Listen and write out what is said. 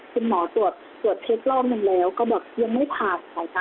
คุณหมอตรวจเคสรอบนึงแล้วก็ยังไม่ผ่า